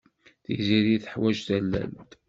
Tiziri teḥwaj tallalt.